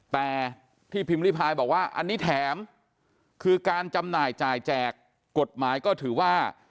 แต่ที่พิมพ์ริพายบอกว่าอันนี้แถมคือการจำหน่ายจ่ายแจกกฎหมายก็ถือว่า